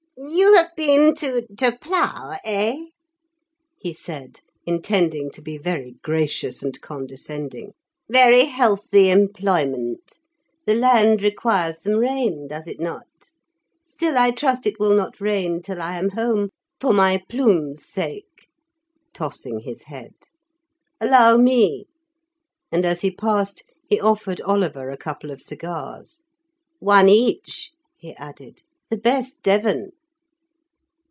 "You have been to to plough, eh?" he said, intending to be very gracious and condescending. "Very healthy employment. The land requires some rain, does it not? Still I trust it will not rain till I am home, for my plume's sake," tossing his head. "Allow me," and as he passed he offered Oliver a couple of cigars. "One each," he added; "the best Devon."